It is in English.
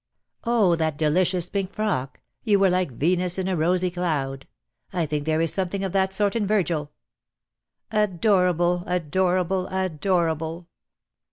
"Oh, that delicious pink frock! You were like Venus in a rosy cloud. I think there is something of that sort in Virgil." ' 2 20 DEAD LOVE HAS CHAINS. Adorable, adorable, adorable!